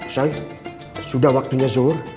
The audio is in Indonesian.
saya sudah waktunya zuhur